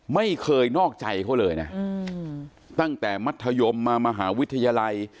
ไม่เคยนอกใจเขาเลยนะตั้งแต่มัธยมมามหาวิทยาลัย